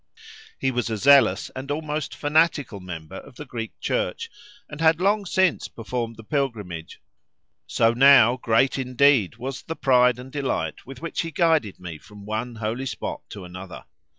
He was a zealous and almost fanatical member of the Greek Church, and had long since performed the pilgrimage, so now great indeed was the pride and delight with which he guided me from one holy spot to another.